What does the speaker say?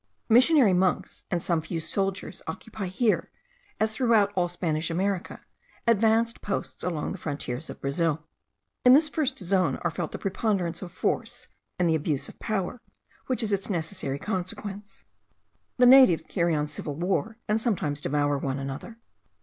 Missionary monks and some few soldiers occupy here, as throughout all Spanish America, advanced posts along the frontiers of Brazil. In this first zone are felt the preponderance of force, and the abuse of power, which is its necessary consequence. The natives carry on civil war, and sometimes devour one another.